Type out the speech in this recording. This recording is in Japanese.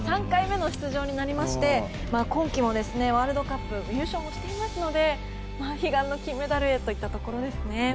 ３回目の出場になりまして今季、ワールドカップも入賞もしていますので悲願の金メダルへといったところですよね。